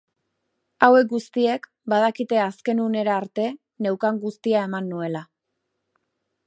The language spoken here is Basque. Hauek guztiek, badakite azken unera arte neukan guztia eman nuela.